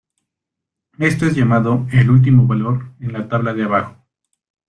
Esto es llamado "el último valor" en la tabla de abajo.